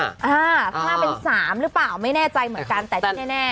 ถ้าเป็นสามหรือเปล่าไม่แน่ใจเหมือนกันแต่ที่แน่